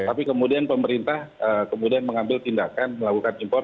tapi kemudian pemerintah kemudian mengambil tindakan melakukan impor